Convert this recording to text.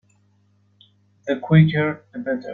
The quicker the better.